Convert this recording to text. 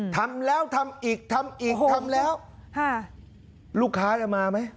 ทำแล้วทำอีกทำอีกทำแล้วลูกค้าจะมาไหม